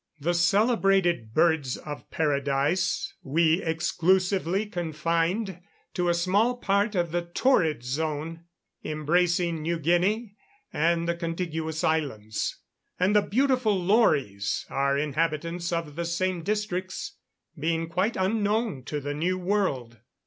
The celebrated birds of paradise we exclusively confined to a small part of the torrid zone, embracing New Guinea and the contiguous islands; and the beautiful Lories are inhabitants of the same districts, being quite unknown to the New World.